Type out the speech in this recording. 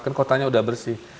kan kotanya sudah bersih